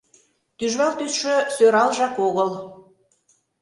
Тӱжвал тӱсшӧ сӧралжак огыл.